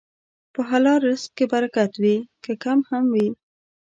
په حلال رزق کې برکت وي، که کم هم وي.